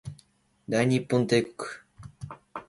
大日本帝国